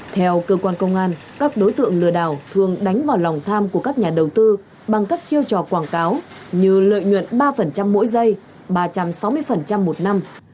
theo cơ quan công an các đối tượng lừa đảo thường đánh vào lòng tham của các nhà đầu tư bằng các chiêu trò quảng cáo như lợi nhuận ba mỗi giây ba trăm sáu mươi một năm